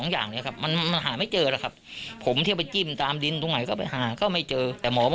ยังไร้วี่แววเลย